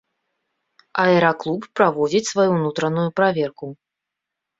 Аэраклуб праводзіць сваю ўнутраную праверку.